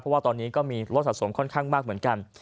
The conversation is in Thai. เพราะว่าตอนนี้ก็มีรถสะสมค่อนข้างมากเหมือนกัน